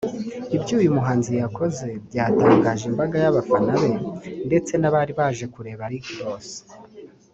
Ibyo uyu muhanzi yakoze byatangaje imbaga y’abafana be ndetse n’abari baje kureba Rick Ross